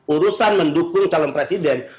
urusan mendukung calon presiden